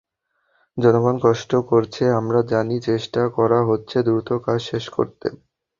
জনগণ কষ্ট করছে আমরা জানি, চেষ্টা করা হচ্ছে দ্রুত কাজ শেষ করতে।